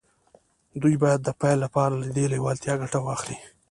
دوی باید د پیل لپاره له دې لېوالتیا ګټه واخلي